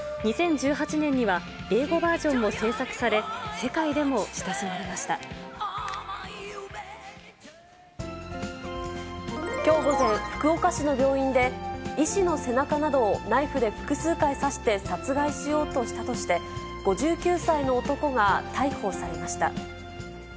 ２０１８年には、英語バージョンも制作され、世界でも親しまれまきょう午前、福岡市の病院で、医師の背中などをナイフで複数回刺して殺害しようとしたとして、５９歳の男が逮捕されました。